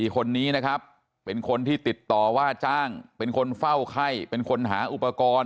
คนนี้นะครับเป็นคนที่ติดต่อว่าจ้างเป็นคนเฝ้าไข้เป็นคนหาอุปกรณ์